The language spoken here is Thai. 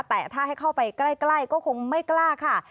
แต่ถ้าให้เข้าไปใกล้ก็คงไม่กล้าค่ะ